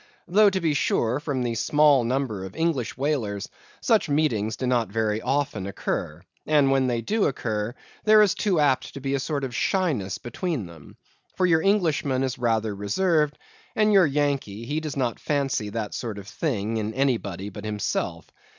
Though, to be sure, from the small number of English whalers, such meetings do not very often occur, and when they do occur there is too apt to be a sort of shyness between them; for your Englishman is rather reserved, and your Yankee, he does not fancy that sort of thing in anybody but himself.